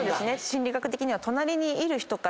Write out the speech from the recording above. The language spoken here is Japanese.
心理学的には。